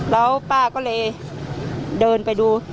แล้วป้าก็เลยเดินไปดู